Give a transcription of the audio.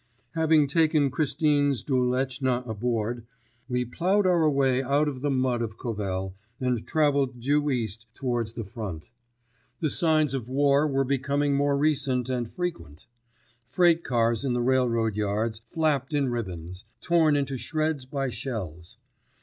Having taken Christine Zduleczna aboard, we ploughed our way out of the mud of Kovel and travelled due east towards the Front The signs of war were becoming more recent and frequent. Freight cars in the railroad yards flapped in ribbons, tom into shreds by shells.